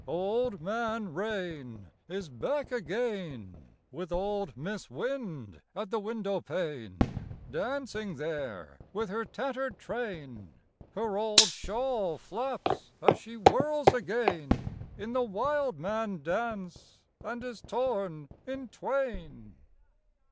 Old Man Rain is back again, With old Mis' Wind at the windowpane, Dancing there with her tattered train: Her old shawl flaps as she whirls again In the wildman dance and is torn in twain.